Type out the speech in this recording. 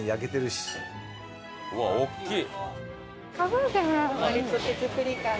うわっ大きい！